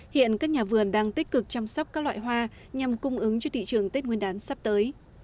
hiện các nhà vườn đang tích cực chăm sóc các loại hoa nhằm cung ứng cho thị trường tết nguyên đán sắp tới